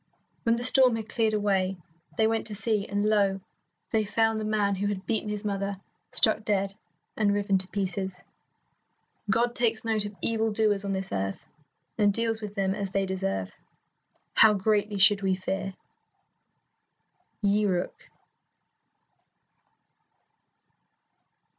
When the storm had cleared away, they went to see, and lo, they found the man who had beaten his mother struck dead and riven to pieces. God takes note of evil doers on this earth, and deals with them as they deserve. How greatly should we fear! Yi Ryuk.